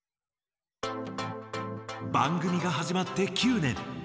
番組がはじまって９年。